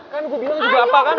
kan ibu bilang juga apa kan